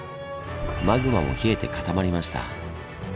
マグマも冷えて固まりました。